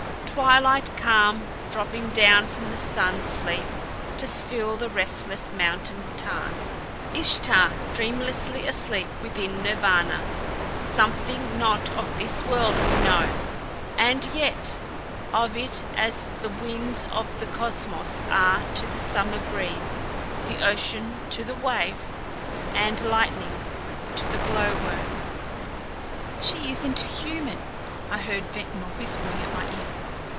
Twilight calm dropping down from the sun sleep to still the restless mountain tarn. Ishtar dreamlessly asleep within Nirvana. Something not of this world we know and yet of it as the winds of the Cosmos are to the summer breeze, the ocean to the wave, the lightnings to the glowworm. "She isn't human," I heard Ventnor whispering at my ear.